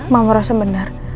mama rasa benar